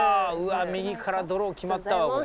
うわ右からドロー決まったわ。